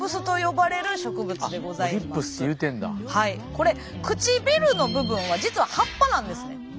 これ唇の部分は実は葉っぱなんですね。